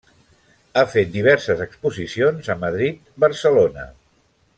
Ha fet diverses exposicions a Madrid, Barcelona.